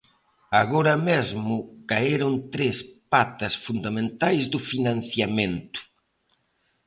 Agora mesmo caeron tres patas fundamentais do financiamento.